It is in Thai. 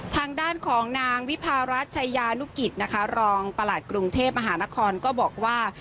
ทางด้านของนางวิพารัฐชายานุกิจนะคะรองประหลัดกรุงเทพมหานครก็บอกว่า